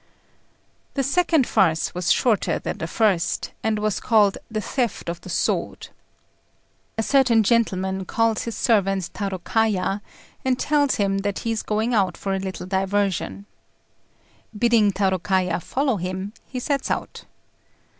The second farce was shorter than the first, and was called The Theft of the Sword. A certain gentleman calls his servant Tarôkaja, and tells him that he is going out for a little diversion. Bidding Tarôkaja follow him, he sets out.